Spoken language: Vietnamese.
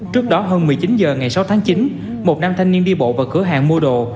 trước đó hơn một mươi chín h ngày sáu tháng chín một nam thanh niên đi bộ vào cửa hàng mua đồ